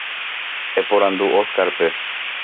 Eporandu Óscarpe.